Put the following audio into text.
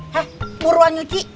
hah puruan nyuci